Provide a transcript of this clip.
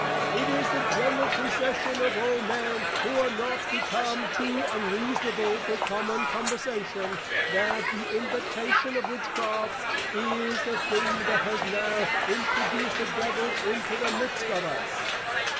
It is the general Concession of all men, who are not become too Unreasonable for common Conversation, that the Invitation of Witchcrafts is the thing that has now introduced the Devil into the midst of us.